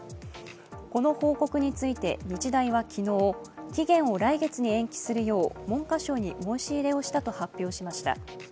この報告について日大は昨日、期限を来月に延期するよう文科省に申し入れをしたと発表しました。